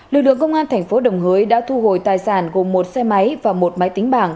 lực lượng công an thành phố đồng hới đã thu hồi tài sản gồm một xe máy và một máy tính bảng